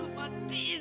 lo sakit tahu gak